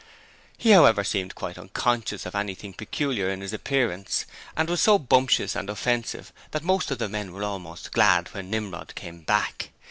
He however seemed quite unconscious of anything peculiar in his appearance and was so bumptious and offensive that most of the men were almost glad when Nimrod came back.